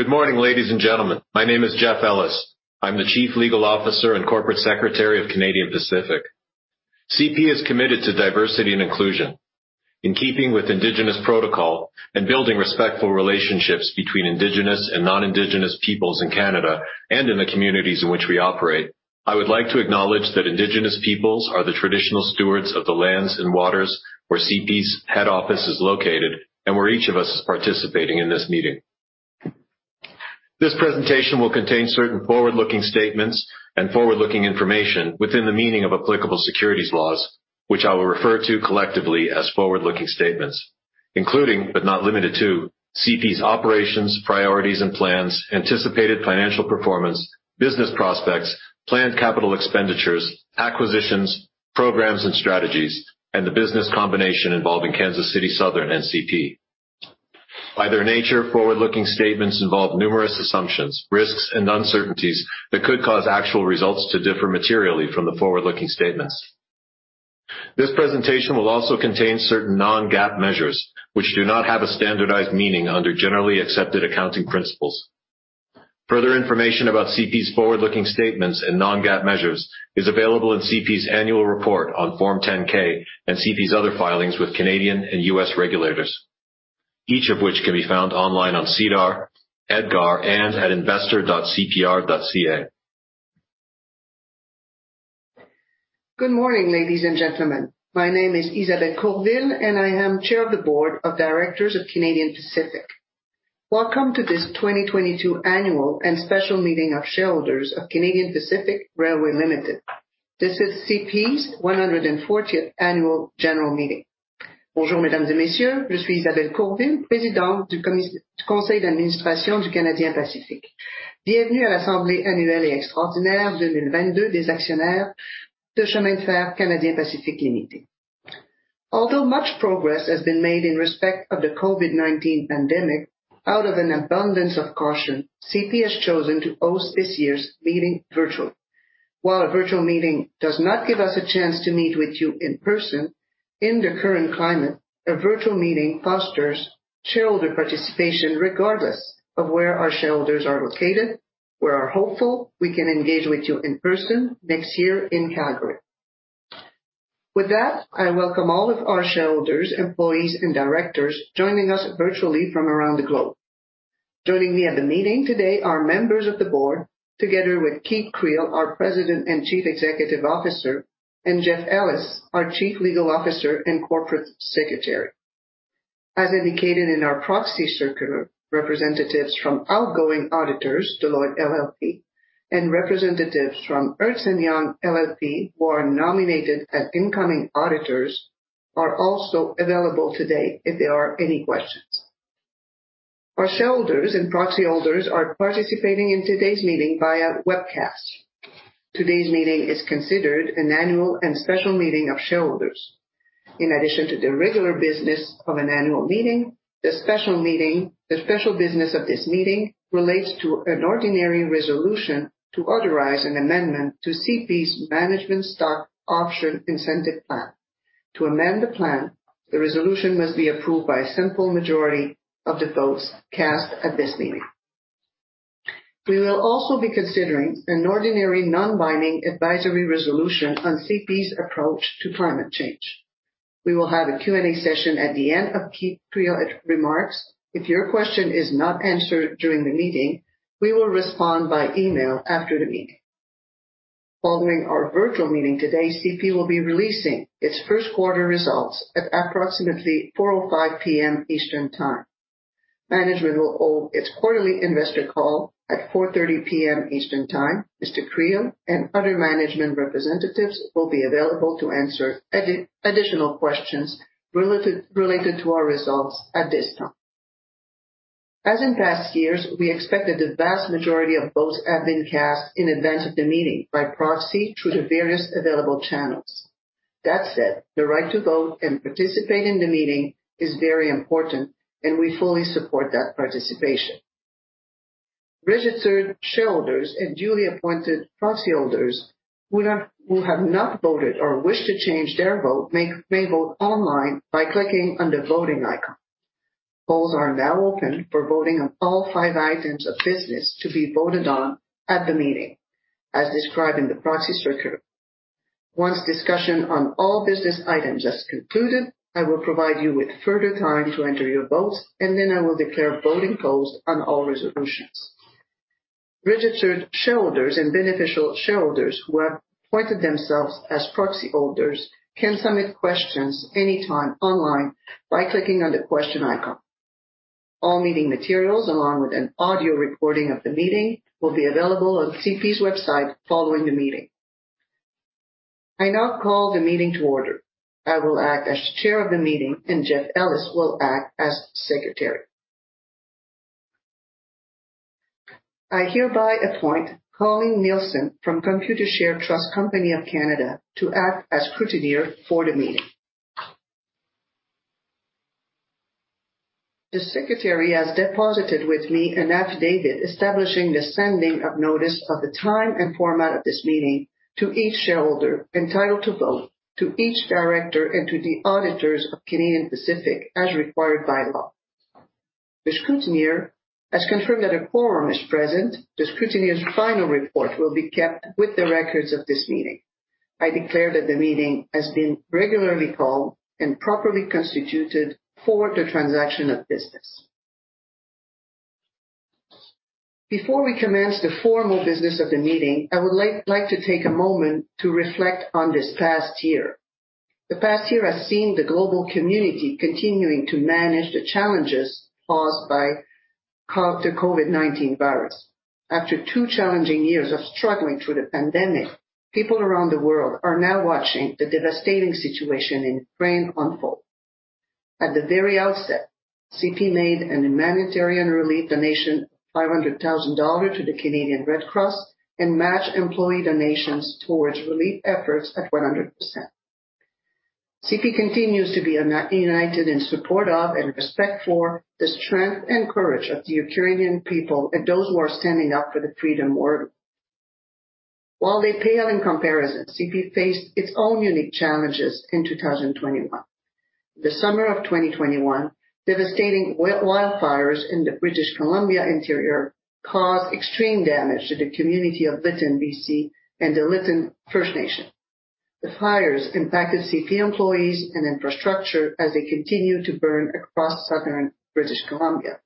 Good morning, ladies and gentlemen. My name is Jeff Ellis. I'm the Chief Legal Officer and Corporate Secretary of Canadian Pacific. CP is committed to diversity and inclusion. In keeping with Indigenous protocol and building respectful relationships between Indigenous and non-Indigenous peoples in Canada and in the communities in which we operate, I would like to acknowledge that Indigenous peoples are the traditional stewards of the lands and waters where CP's head office is located and where each of us is participating in this meeting. This presentation will contain certain forward-looking statements and forward-looking information within the meaning of applicable securities laws, which I will refer to collectively as forward-looking statements, including, but not limited to CP's operations, priorities and plans, anticipated financial performance, business prospects, planned capital expenditures, acquisitions, programs and strategies, and the business combination involving Kansas City Southern and CP. By their nature, forward-looking statements involve numerous assumptions, risks and uncertainties that could cause actual results to differ materially from the forward-looking statements. This presentation will also contain certain non-GAAP measures, which do not have a standardized meaning under generally accepted accounting principles. Further information about CP's forward-looking statements and non-GAAP measures is available in CP's annual report on Form 10-K and CP's other filings with Canadian and U.S. regulators, each of which can be found online on SEDAR, EDGAR, and at investor.cpr.ca. Good morning, ladies and gentlemen. My name is Isabelle Courville, and I am Chair of the Board of Directors of Canadian Pacific. Welcome to this 2022 Annual and Special Meeting of Shareholders of Canadian Pacific Railway Limited. This is CP's 140th Annual General Meeting. Although much progress has been made in respect of the COVID-19 pandemic, out of an abundance of caution, CP has chosen to host this year's meeting virtually. While a virtual meeting does not give us a chance to meet with you in person, in the current climate, a virtual meeting fosters shareholder participation regardless of where our shareholders are located. We are hopeful we can engage with you in person next year in Calgary. With that, I welcome all of our shareholders, employees and directors joining us virtually from around the globe. Joining me at the meeting today are members of the board, together with Keith Creel, our President and Chief Executive Officer, and Jeff Ellis, our Chief Legal Officer and Corporate Secretary. As indicated in our proxy circular, representatives from outgoing auditors, Deloitte LLP, and representatives from Ernst & Young LLP, who are nominated as incoming auditors, are also available today if there are any questions. Our shareholders and proxy holders are participating in today's meeting via webcast. Today's meeting is considered an annual and special meeting of shareholders. In addition to the regular business of an annual meeting, the special business of this meeting relates to an ordinary resolution to authorize an amendment to CP's management stock option incentive plan. To amend the plan, the resolution must be approved by a simple majority of the votes cast at this meeting. We will also be considering an ordinary non-binding advisory resolution on CP's approach to climate change. We will have a Q&A session at the end of Keith Creel's remarks. If your question is not answered during the meeting, we will respond by email after the meeting. Following our virtual meeting today, CP will be releasing its first quarter results at approximately 4:05 P.M. Eastern Time. Management will hold its quarterly investor call at 4:30 P.M. Eastern Time. Mr. Creel and other management representatives will be available to answer additional questions related to our results at this time. As in past years, we expect that the vast majority of votes have been cast in advance of the meeting by proxy through the various available channels. That said, the right to vote and participate in the meeting is very important, and we fully support that participation. Registered shareholders and duly appointed proxy holders who have not voted or wish to change their vote may vote online by clicking on the voting icon. Polls are now open for voting on all five items of business to be voted on at the meeting, as described in the proxy circular. Once discussion on all business items has concluded, I will provide you with further time to enter your votes, and then I will declare voting polls on all resolutions. Registered shareholders and beneficial shareholders who have appointed themselves as proxy holders can submit questions anytime online by clicking on the question icon. All meeting materials along with an audio recording of the meeting will be available on CP's website following the meeting. I now call the meeting to order. I will act as Chair of the meeting and Jeff Ellis will act as Secretary. I hereby appoint Colleen Nielsen from Computershare Trust Company of Canada to act as scrutineer for the meeting. The Secretary has deposited with me an affidavit establishing the sending of notice of the time and format of this meeting to each shareholder entitled to vote, to each director, and to the auditors of Canadian Pacific as required by law. The scrutineer has confirmed that a quorum is present. The scrutineer's final report will be kept with the records of this meeting. I declare that the meeting has been regularly called and properly constituted for the transaction of business. Before we commence the formal business of the meeting, I would like to take a moment to reflect on this past year. The past year has seen the global community continuing to manage the challenges caused by the COVID-19 virus. After 2 challenging years of struggling through the pandemic, people around the world are now watching the devastating situation in Ukraine unfold. At the very outset, CP made a humanitarian relief donation of 500,000 dollars to the Canadian Red Cross and matched employee donations towards relief efforts at 100%. CP continues to be united in support of and respect for the strength and courage of the Ukrainian people and those who are standing up for the free world. While they pale in comparison, CP faced its own unique challenges in 2021. In the summer of 2021, devastating wildfires in the British Columbia interior caused extreme damage to the community of Lytton, BC, and the Lytton First Nation. The fires impacted CP employees and infrastructure as they continued to burn across southern British Columbia.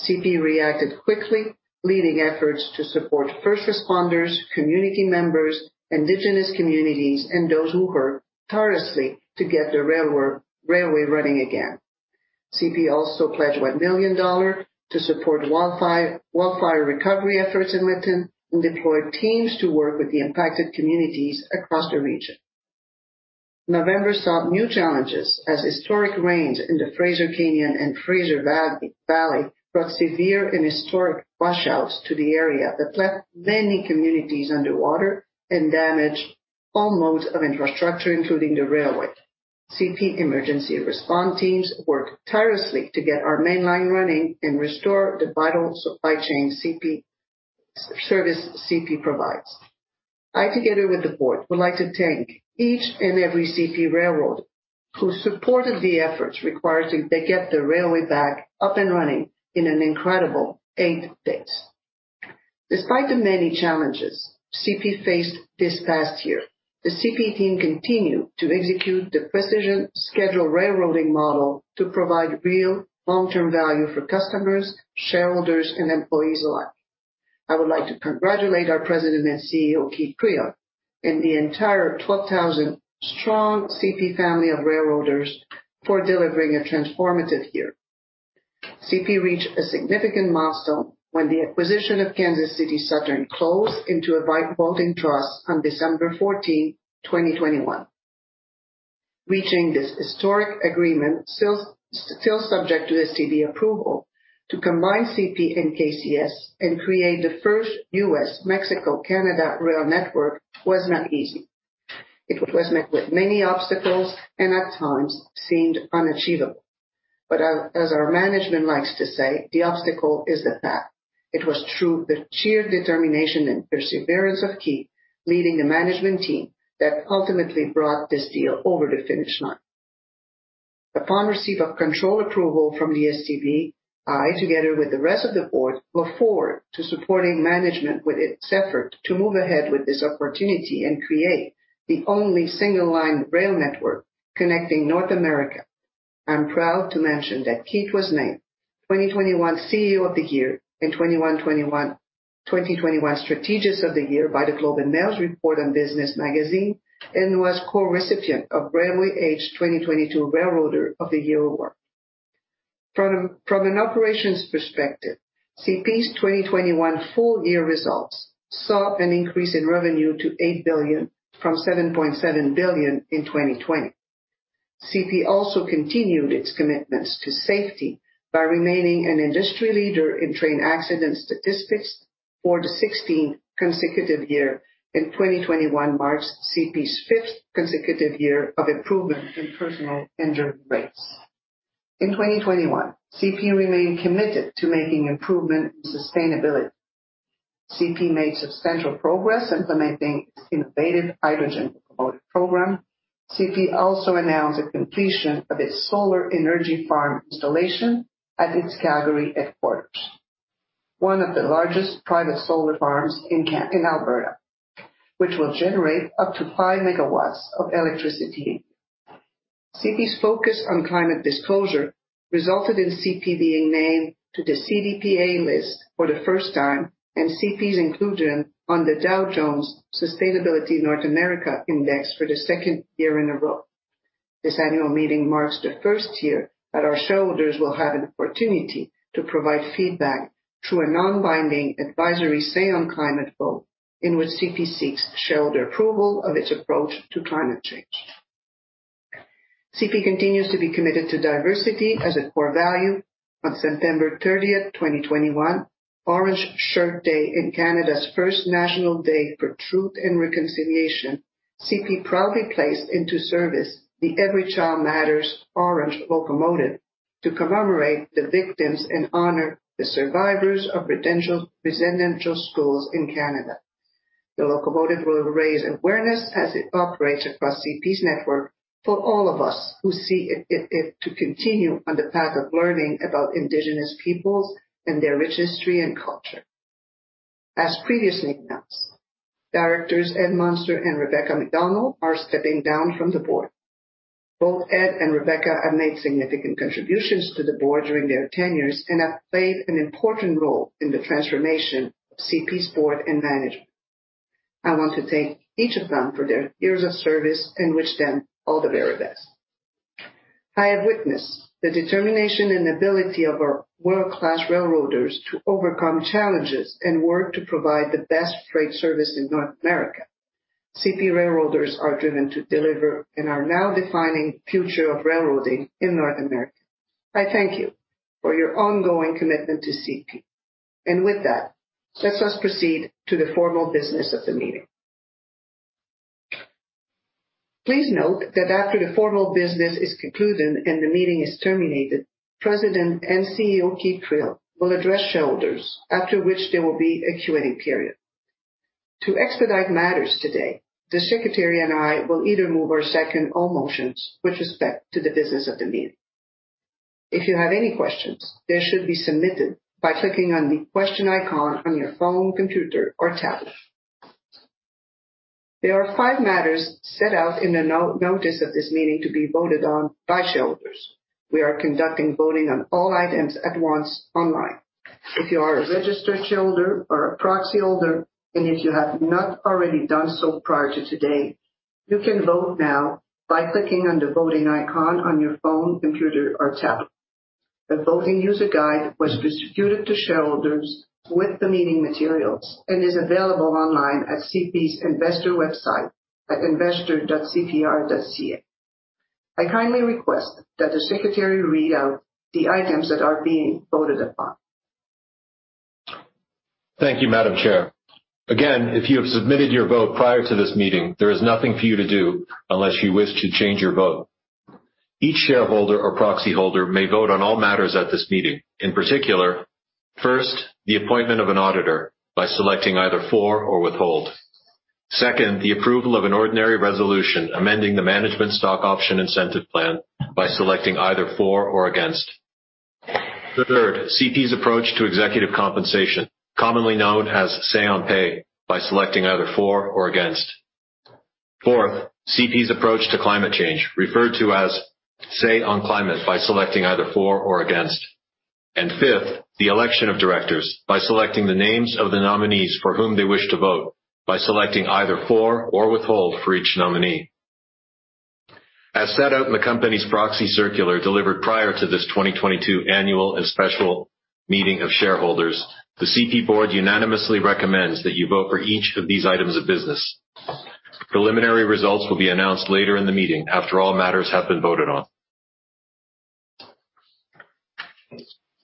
CP reacted quickly, leading efforts to support first responders, community members, Indigenous communities, and those who worked tirelessly to get the railway running again. CP also pledged 1 million dollars to support wildfire recovery efforts in Lytton and deployed teams to work with the impacted communities across the region. November saw new challenges as historic rains in the Fraser Canyon and Fraser Valley brought severe and historic washouts to the area that left many communities underwater and damaged all modes of infrastructure, including the railway. CP Emergency Response teams worked tirelessly to get our main line running and restore the vital supply chain service CP provides. I, together with the board, would like to thank each and every CP railroader who supported the efforts required to get the railway back up and running in an incredible 8 days. Despite the many challenges CP faced this past year, the CP team continued to execute the precision scheduled railroading model to provide real long-term value for customers, shareholders, and employees alike. I would like to congratulate our President and CEO, Keith Creel, and the entire 12,000-strong CP family of railroaders for delivering a transformative year. CP reached a significant milestone when the acquisition of Kansas City Southern closed into a voting trust on December 14th, 2021. Reaching this historic agreement, still subject to STB approval to combine CP and KCS and create the first U.S.-Mexico-Canada rail network was not easy. It was met with many obstacles and at times seemed unachievable. As our management likes to say, the obstacle is the path. It was through the sheer determination and perseverance of Keith leading the management team that ultimately brought this deal over the finish line. Upon receipt of control approval from the STB, I, together with the rest of the board, look forward to supporting management with its effort to move ahead with this opportunity and create the only single-line rail network connecting North America. I'm proud to mention that Keith was named 2021 CEO of the Year and 2021 Strategist of the Year by The Globe and Mail's Report on Business magazine and was co-recipient of Railway Age 2022 Railroader of the Year award. From an operations perspective, CP's 2021 full-year results saw an increase in revenue to 8 billion from 7.7 billion in 2020. CP also continued its commitments to safety by remaining an industry leader in train accident statistics for the 16th consecutive year, and 2021 marks CP's 5th consecutive year of improvement in personal injury rates. In 2021, CP remained committed to making improvement in sustainability. CP made substantial progress implementing its innovative hydrogen-powered program. CP also announced the completion of its solar energy farm installation at its Calgary headquarters, one of the largest private solar farms in Alberta, which will generate up to 5 MW of electricity. CP's focus on climate disclosure resulted in CP being named to the CDP A List for the first time, and CP's inclusion on the Dow Jones Sustainability North America Index for the second year in a row. This annual meeting marks the first year that our shareholders will have an opportunity to provide feedback through a non-binding advisory say-on-climate vote in which CP seeks shareholder approval of its approach to climate change. CP continues to be committed to diversity as a core value. On September 30th, 2021, Orange Shirt Day and Canada's first National Day for Truth and Reconciliation, CP proudly placed into service the Every Child Matters orange locomotive to commemorate the victims and honor the survivors of residential schools in Canada. The locomotive will raise awareness as it operates across CP's network for all of us who see it to continue on the path of learning about Indigenous peoples and their rich history and culture. As previously announced, directors Ed Monser and Rebecca MacDonald are stepping down from the board. Both Ed and Rebecca have made significant contributions to the board during their tenures and have played an important role in the transformation of CP's board and management. I want to thank each of them for their years of service and wish them all the very best. I have witnessed the determination and ability of our world-class railroaders to overcome challenges and work to provide the best freight service in North America. CP railroaders are driven to deliver and are now defining future of railroading in North America. I thank you for your ongoing commitment to CP. With that, let us proceed to the formal business of the meeting. Please note that after the formal business is concluded and the meeting is terminated, President and CEO Keith Creel will address shareholders, after which there will be a Q&A period. To expedite matters today, the secretary and I will either move or second all motions with respect to the business of the meeting. If you have any questions, they should be submitted by clicking on the question icon on your phone, computer, or tablet. There are five matters set out in the notice of this meeting to be voted on by shareholders. We are conducting voting on all items at once online. If you are a registered shareholder or a proxy holder, and if you have not already done so prior to today, you can vote now by clicking on the voting icon on your phone, computer, or tablet. The voting user guide was distributed to shareholders with the meeting materials and is available online at CP's investor website at investor.cpr.ca. I kindly request that the secretary read out the items that are being voted upon. Thank you, Madam Chair. Again, if you have submitted your vote prior to this meeting, there is nothing for you to do unless you wish to change your vote. Each shareholder or proxy holder may vote on all matters at this meeting. In particular, first, the appointment of an auditor by selecting either for or withhold. Second, the approval of an ordinary resolution amending the management stock option incentive plan by selecting either for or against. Third, CP's approach to executive compensation, commonly known as say-on-pay, by selecting either for or against. Fourth, CP's approach to climate change, referred to as say-on-climate, by selecting either for or against. Fifth, the election of directors by selecting the names of the nominees for whom they wish to vote by selecting either for or withhold for each nominee. As set out in the company's proxy circular delivered prior to this 2022 annual and special meeting of shareholders, the CP board unanimously recommends that you vote for each of these items of business. Preliminary results will be announced later in the meeting after all matters have been voted on.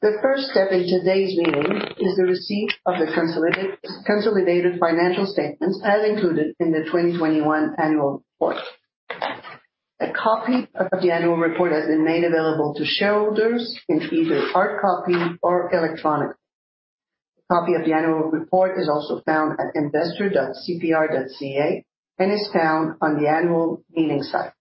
The first step in today's meeting is the receipt of the consolidated financial statements as included in the 2021 annual report. A copy of the annual report has been made available to shareholders in either hard copy or electronically. A copy of the annual report is also found at investor.cpr.ca and is found on the annual meeting site.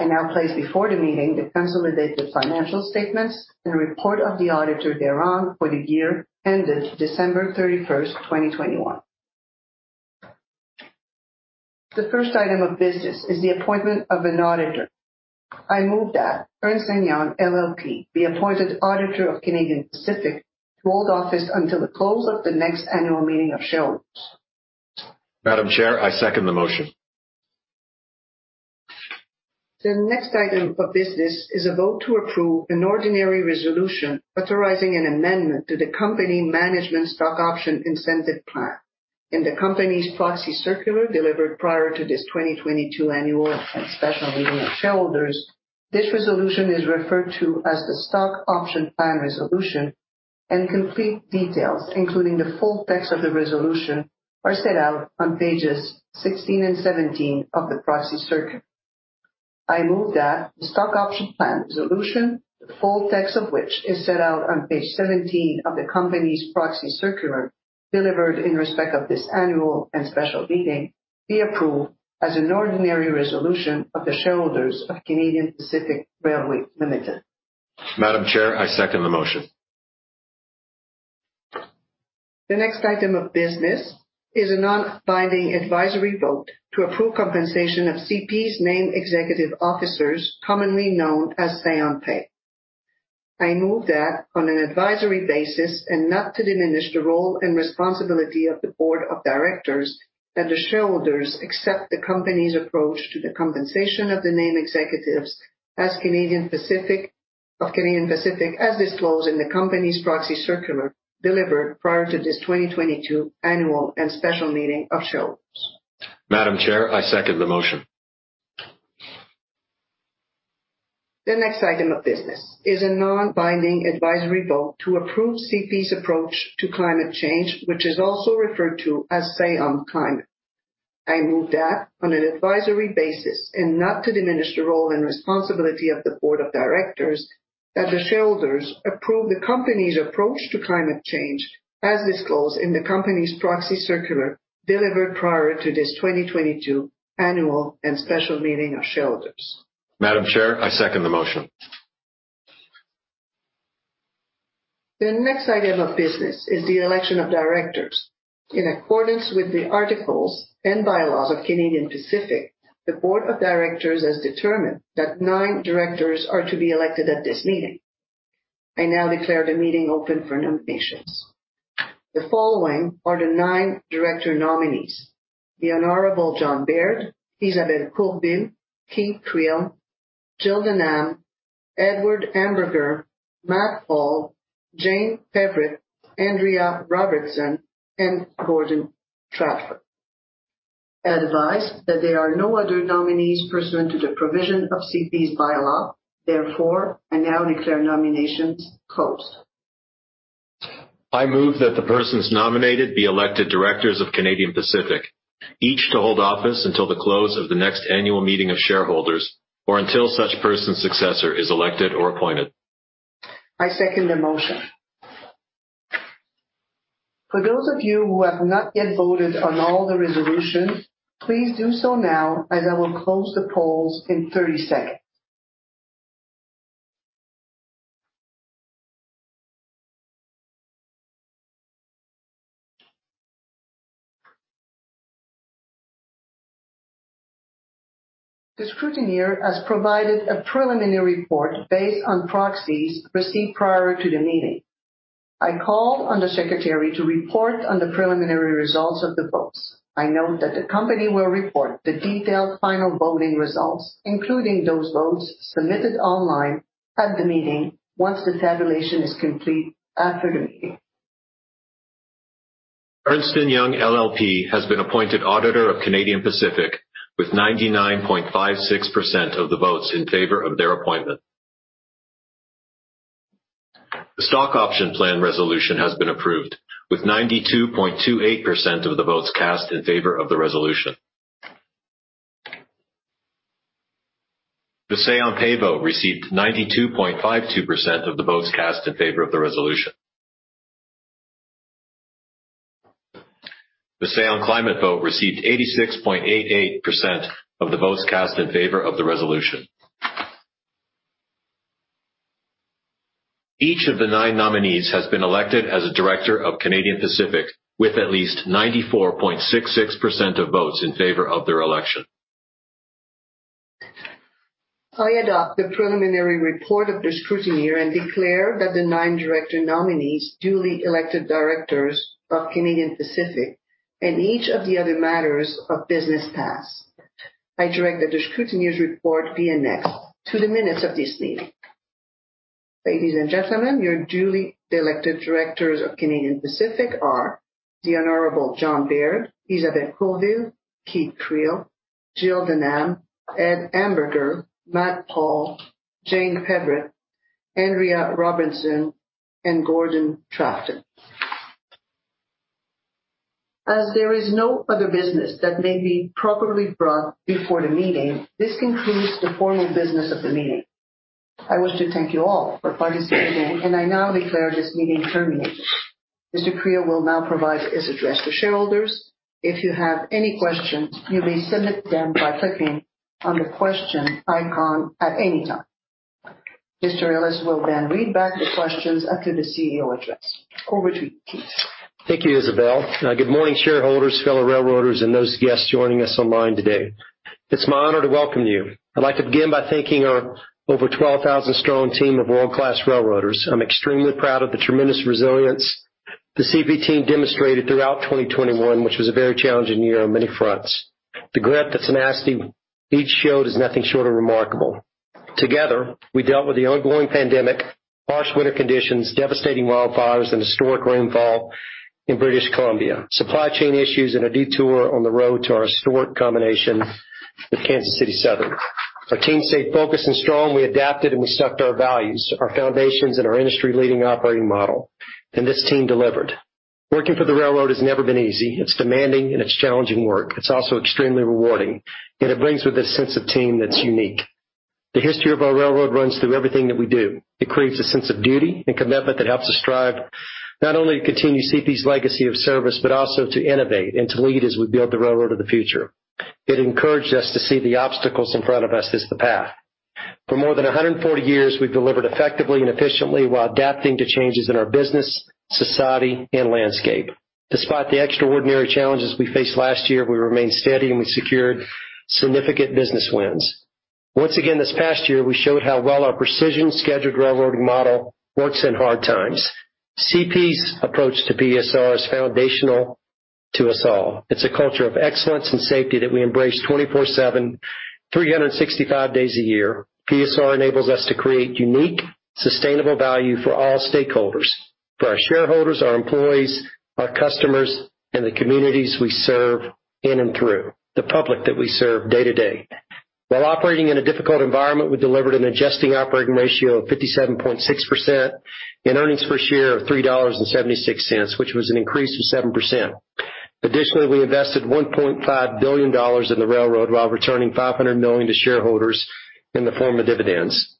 I now place before the meeting the consolidated financial statements and report of the auditor thereon for the year ended December 31st, 2021. The first item of business is the appointment of an auditor. I move that Ernst & Young LLP be appointed auditor of Canadian Pacific to hold office until the close of the next annual meeting of shareholders. Madam Chair, I second the motion. The next item of business is a vote to approve an ordinary resolution authorizing an amendment to the company management stock option incentive plan. In the company's proxy circular delivered prior to this 2022 annual and special meeting of shareholders, this resolution is referred to as the Stock Option Plan Resolution, and complete details, including the full text of the resolution, are set out on pages 16 and 17 of the proxy circular. I move that the Stock Option Plan Resolution, the full text of which is set out on page 17 of the company's proxy circular delivered in respect of this annual and special meeting, be approved as an ordinary resolution of the shareholders of Canadian Pacific Railway Limited. Madam Chair, I second the motion. The next item of business is a non-binding advisory vote to approve compensation of CP's named executive officers, commonly known as say-on-pay. I move that on an advisory basis and not to diminish the role and responsibility of the board of directors, that the shareholders accept the company's approach to the compensation of the named executives as Canadian Pacific, as disclosed in the company's proxy circular delivered prior to this 2022 annual and special meeting of shareholders. Madam Chair, I second the motion. The next item of business is a non-binding advisory vote to approve CP's approach to climate change, which is also referred to as say-on-climate. I move that on an advisory basis and not to diminish the role and responsibility of the board of directors, that the shareholders approve the company's approach to climate change as disclosed in the company's proxy circular delivered prior to this 2022 annual and special meeting of shareholders. Madam Chair, I second the motion. The next item of business is the election of directors. In accordance with the articles and bylaws of Canadian Pacific, the board of directors has determined that nine directors are to be elected at this meeting. I now declare the meeting open for nominations. The following are the nine director nominees: The Honorable John Baird, Isabelle Courville, Keith Creel, Jill Denham, Edward Hamberger, Matt Paull, Jane Peverett, Andrea Robertson, and Gordon Trafton. Advised that there are no other nominees pursuant to the provision of CP's bylaw. Therefore, I now declare nominations closed. I move that the persons nominated be elected directors of Canadian Pacific, each to hold office until the close of the next annual meeting of shareholders, or until such person's successor is elected or appointed. I second the motion. For those of you who have not yet voted on all the resolutions, please do so now, as I will close the polls in 30 seconds. The scrutineer has provided a preliminary report based on proxies received prior to the meeting. I call on the secretary to report on the preliminary results of the votes. I note that the company will report the detailed final voting results, including those votes submitted online at the meeting, once the tabulation is complete after the meeting. Ernst & Young LLP has been appointed auditor of Canadian Pacific with 99.56% of the votes in favor of their appointment. The stock option plan resolution has been approved with 92.28% of the votes cast in favor of the resolution. The say on pay vote received 92.52% of the votes cast in favor of the resolution. The say on climate vote received 86.88% of the votes cast in favor of the resolution. Each of the nine nominees has been elected as a director of Canadian Pacific with at least 94.66% of votes in favor of their election. I adopt the preliminary report of the scrutineer and declare that the nine director nominees duly elected directors of Canadian Pacific and each of the other matters of business passed. I direct that the scrutineer's report be annexed to the minutes of this meeting. Ladies and gentlemen, your duly elected directors of Canadian Pacific are The Honorable John Baird, Isabelle Courville, Keith Creel, Jill Denham, Ed Hamberger, Matt Paull, Jane Peverett, Andrea Robertson, and Gordon Trafton. As there is no other business that may be properly brought before the meeting, this concludes the formal business of the meeting. I wish to thank you all for participating, and I now declare this meeting terminated. Mr. Creel will now provide his address to shareholders. If you have any questions, you may submit them by clicking on the question icon at any time. Mr. Ellis will then read back the questions after the CEO address. Over to you, Keith. Thank you, Isabelle. Good morning, shareholders, fellow railroaders, and those guests joining us online today. It's my honor to welcome you. I'd like to begin by thanking our over 12,000 strong team of world-class railroaders. I'm extremely proud of the tremendous resilience the CP team demonstrated throughout 2021, which was a very challenging year on many fronts. The grit, tenacity each showed is nothing short of remarkable. Together, we dealt with the ongoing pandemic, harsh winter conditions, devastating wildfires, and historic rainfall in British Columbia, supply chain issues, and a detour on the road to our historic combination with Kansas City Southern. Our team stayed focused and strong. We adapted and we stuck to our values, our foundations and our industry-leading operating model. This team delivered. Working for the railroad has never been easy. It's demanding and it's challenging work. It's also extremely rewarding, and it brings with a sense of team that's unique. The history of our railroad runs through everything that we do. It creates a sense of duty and commitment that helps us strive not only to continue CP's legacy of service, but also to innovate and to lead as we build the railroad of the future. It encouraged us to see the obstacles in front of us as the path. For more than 140 years, we've delivered effectively and efficiently while adapting to changes in our business, society, and landscape. Despite the extraordinary challenges we faced last year, we remained steady, and we secured significant business wins. Once again, this past year, we showed how well our precision scheduled railroading model works in hard times. CP's approach to PSR is foundational to us all. It's a culture of excellence and safety that we embrace 24/7, 365 days a year. PSR enables us to create unique, sustainable value for all stakeholders, for our shareholders, our employees, our customers, and the communities we serve in and through the public that we serve day to day. While operating in a difficult environment, we delivered an adjusted operating ratio of 57.6% and earnings per share of $3.76, which was an increase of 7%. Additionally, we invested $1.5 billion in the railroad while returning $500 million to shareholders in the form of dividends.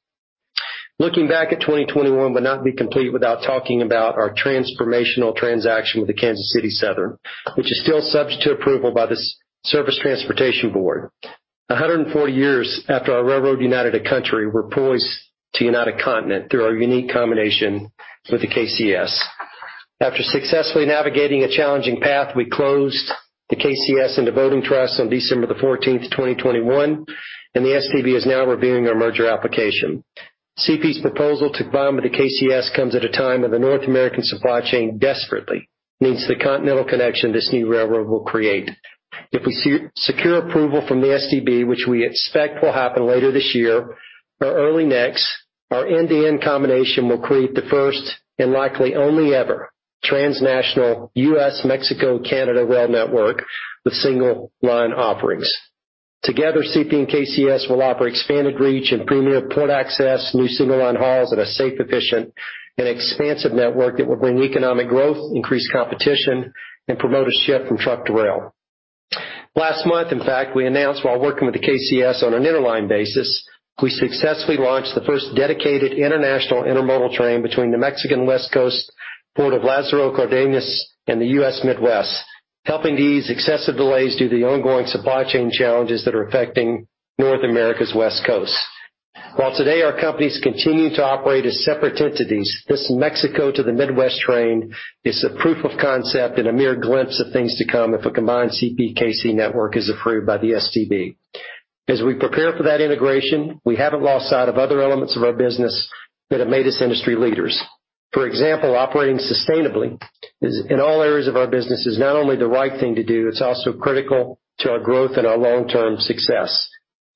Looking back at 2021 would not be complete without talking about our transformational transaction with the Kansas City Southern, which is still subject to approval by the Surface Transportation Board. 140 years after our railroad united a country, we're poised to unite a continent through our unique combination with the KCS. After successfully navigating a challenging path, we closed the KCS and the voting trust on December 14th, 2021, and the STB is now reviewing our merger application. CP's proposal to combine with the KCS comes at a time when the North American supply chain desperately needs the continental connection this new railroad will create. If we secure approval from the STB, which we expect will happen later this year or early next, our end-to-end combination will create the first and likely only-ever transnational U.S.-Mexico-Canada rail network with single-line offerings. Together, CP and KCS will offer expanded reach and premier port access, new single-line hauls at a safe, efficient, and expansive network that will bring economic growth, increased competition, and promote a shift from truck to rail. Last month, in fact, we announced while working with the KCS on an interline basis, we successfully launched the first dedicated international intermodal train between the Mexican West Coast, Port of Lázaro Cárdenas, and the U.S. Midwest, helping to ease excessive delays due to the ongoing supply chain challenges that are affecting North America's West Coast. While today our companies continue to operate as separate entities, this Mexico to the Midwest train is a proof of concept and a mere glimpse of things to come if a combined CPKC network is approved by the STB. As we prepare for that integration, we haven't lost sight of other elements of our business that have made us industry leaders. For example, operating sustainably is in all areas of our business is not only the right thing to do, it's also critical to our growth and our long-term success.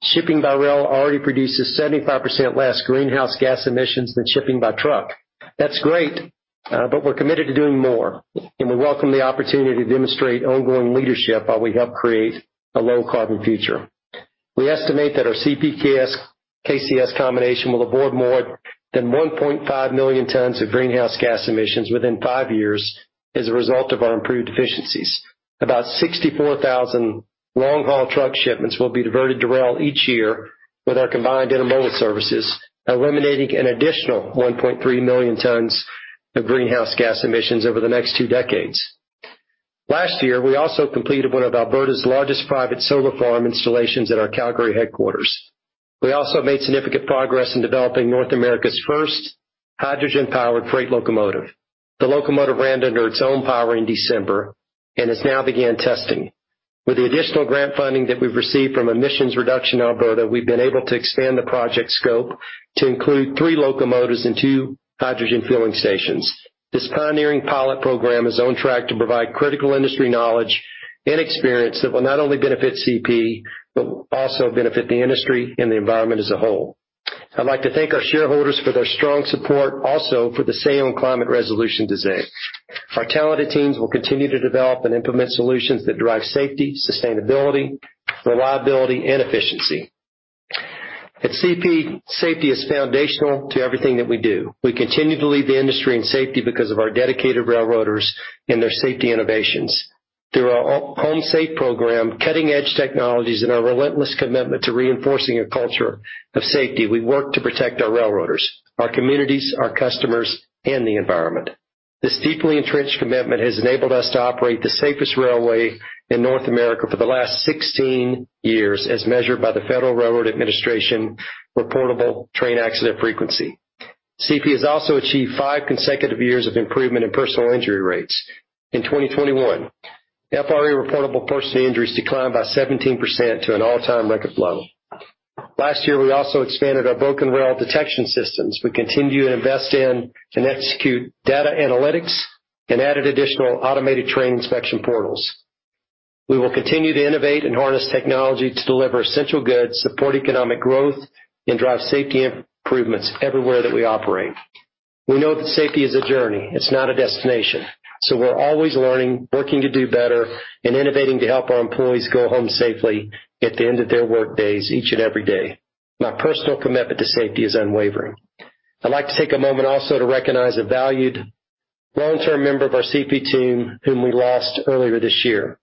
Shipping by rail already produces 75% less greenhouse gas emissions than shipping by truck. That's great, but we're committed to doing more, and we welcome the opportunity to demonstrate ongoing leadership while we help create a low-carbon future. We estimate that our CPKC combination will avoid more than 1.5 million tons of greenhouse gas emissions within 5 years as a result of our improved efficiencies. About 64,000 long-haul truck shipments will be diverted to rail each year with our combined intermodal services, eliminating an additional 1.3 million tons of greenhouse gas emissions over the next 2 decades. Last year, we also completed one of Alberta's largest private solar farm installations at our Calgary headquarters. We also made significant progress in developing North America's first hydrogen-powered freight locomotive. The locomotive ran under its own power in December and has now began testing. With the additional grant funding that we've received from Emissions Reduction Alberta, we've been able to expand the project scope to include three locomotives and two hydrogen fueling stations. This pioneering pilot program is on track to provide critical industry knowledge and experience that will not only benefit CP, but will also benefit the industry and the environment as a whole. I'd like to thank our shareholders for their strong support also for the say-on-climate resolution today. Our talented teams will continue to develop and implement solutions that drive safety, sustainability, reliability, and efficiency. At CP, safety is foundational to everything that we do. We continue to lead the industry in safety because of our dedicated railroaders and their safety innovations. Through our Home Safe program, cutting-edge technologies, and our relentless commitment to reinforcing a culture of safety, we work to protect our railroaders, our communities, our customers, and the environment. This deeply entrenched commitment has enabled us to operate the safest railway in North America for the last 16 years, as measured by the Federal Railroad Administration reportable train accident frequency. CP has also achieved 5 consecutive years of improvement in personal injury rates. In 2021, FRA reportable personal injuries declined by 17% to an all-time record low. Last year, we also expanded our broken rail detection systems. We continue to invest in and execute data analytics and added additional automated train inspection portals. We will continue to innovate and harness technology to deliver essential goods, support economic growth, and drive safety improvements everywhere that we operate. We know that safety is a journey, it's not a destination, so we're always learning, working to do better, and innovating to help our employees go home safely at the end of their workdays each and every day. My personal commitment to safety is unwavering. I'd like to take a moment also to recognize a valued long-term member of our CP team whom we lost earlier this year.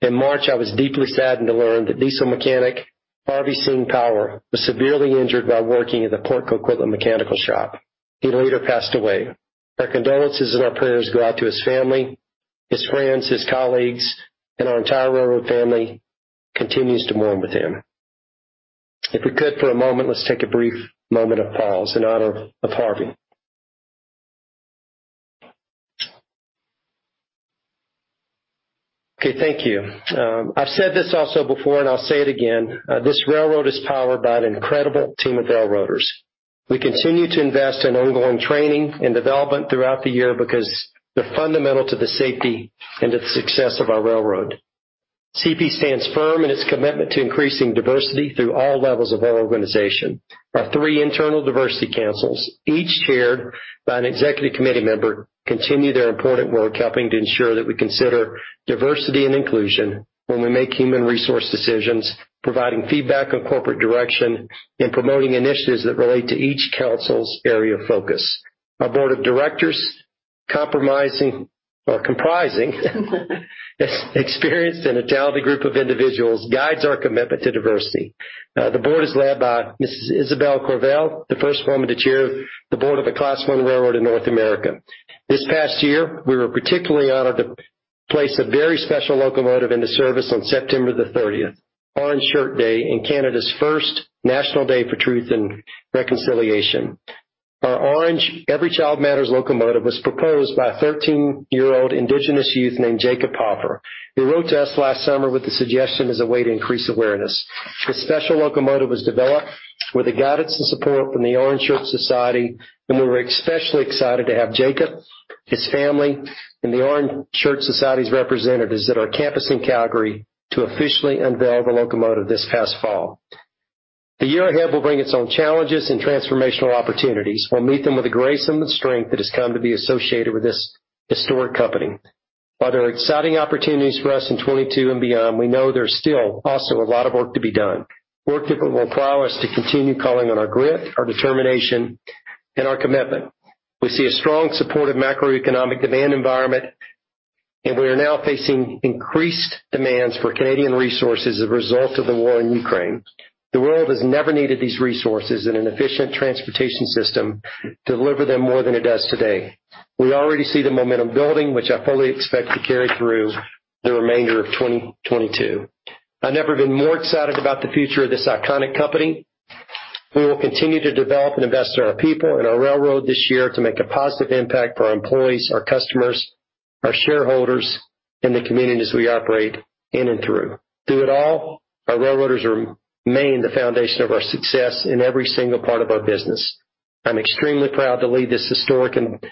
In March, I was deeply saddened to learn that diesel mechanic Harvey Singh Powar was severely injured while working at the Port Coquitlam mechanical shop. He later passed away. Our condolences and our prayers go out to his family, his friends, his colleagues, and our entire railroad family continues to mourn with him. If we could for a moment, let's take a brief moment of pause in honor of Harvey. Okay, thank you. I've said this also before, and I'll say it again, this railroad is powered by an incredible team of railroaders. We continue to invest in ongoing training and development throughout the year because they're fundamental to the safety and the success of our railroad. CP stands firm in its commitment to increasing diversity through all levels of our organization. Our three internal diversity councils, each chaired by an executive committee member, continue their important work, helping to ensure that we consider diversity and inclusion when we make human resource decisions, providing feedback on corporate direction, and promoting initiatives that relate to each council's area of focus. Our board of directors comprising experienced and talented group of individuals guides our commitment to diversity. The board is led by Mrs. Isabelle Courville, the first woman to chair the board of a Class I railroad in North America. This past year, we were particularly honored to place a very special locomotive into service on September the 30th, Orange Shirt Day in Canada's first National Day for Truth and Reconciliation. Our orange- Every Child Matters locomotive was proposed by a 13-year-old Indigenous youth named Jacob Hopper, who wrote to us last summer with the suggestion as a way to increase awareness. This special locomotive was developed with the guidance and support from the Orange Shirt Society, and we were especially excited to have Jacob, his family, and the Orange Shirt Society's representatives at our campus in Calgary to officially unveil the locomotive this past fall. The year ahead will bring its own challenges and transformational opportunities. We'll meet them with the grace and the strength that has come to be associated with this historic company. While there are exciting opportunities for us in 2022 and beyond, we know there's still also a lot of work to be done. Work that will require us to continue calling on our grit, our determination, and our commitment. We see a strong supportive macroeconomic demand environment, and we are now facing increased demands for Canadian resources as a result of the war in Ukraine. The world has never needed these resources and an efficient transportation system to deliver them more than it does today. We already see the momentum building, which I fully expect to carry through the remainder of 2022. I've never been more excited about the future of this iconic company. We will continue to develop and invest in our people and our railroad this year to make a positive impact for our employees, our customers, our shareholders, and the communities we operate in and through. Through it all, our railroaders remain the foundation of our success in every single part of our business. I'm extremely proud to lead this historic and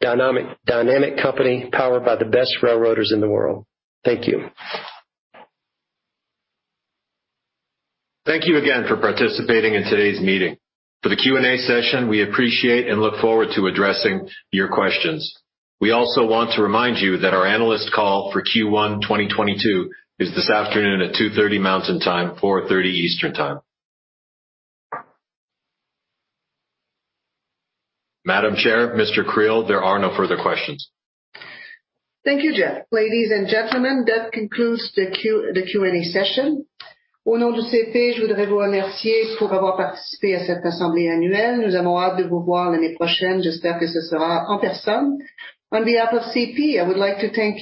dynamic company powered by the best railroaders in the world. Thank you. Thank you again for participating in today's meeting. For the Q&A session, we appreciate and look forward to addressing your questions. We also want to remind you that our analyst call for Q1 2022 is this afternoon at 2:30 P.M. Mountain Time, 4:30 P.M. Eastern Time. Madam Chair, Mr. Creel, there are no further questions. Thank you, Jeff. Ladies and gentlemen, that concludes the Q&A session. On behalf of CP, I would like to thank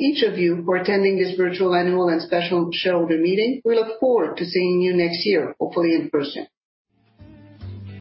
each of you for attending this virtual annual and special shareholder meeting. We look forward to seeing you next year, hopefully in person.